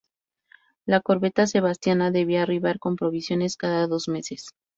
La corbeta "Sebastiana" debía arribar con provisiones cada dos meses.